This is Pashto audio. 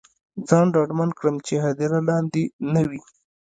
ځان ډاډمن کړم چې هدیره لاندې نه وي.